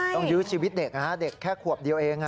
ต้องยื้อชีวิตเด็กนะครับเด็กแค่ขวบเดียวเอง